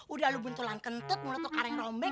udah lo bentulan kentut mulut lo kaleng rombeng